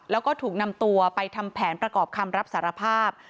แล้วก็ถูกนำตัวไปทำแผนประกอบคำรับสารภาพ